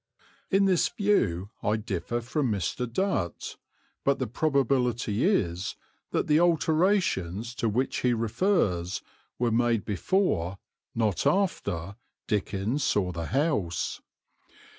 In this view I differ from Mr. Dutt; but the probability is that the alterations to which he refers were made before, not after, Dickens saw the house.